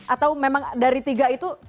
atau memang dari tiga itu